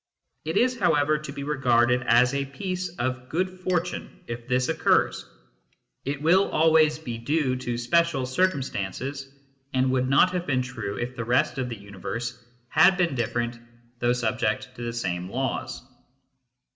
It is, however, to be regarded as a piece of good fortune if this occurs ; it will always be due to special ON THE NOTION OF CAUSE 199 circumstances, and would not have been true if the rest of the universe had been different though subject to the same laws.